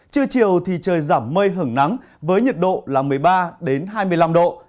chưa chiều thì trời giảm mây hởng nắng với nhiệt độ là một mươi ba hai mươi năm độ